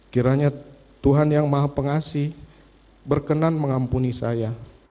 kiranya tuhan yang maha pengasih berkenan mengampuni saya